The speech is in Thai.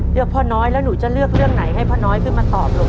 เลือกพ่อน้อยแล้วหนูจะเลือกเรื่องไหนให้พ่อน้อยขึ้นมาตอบลูก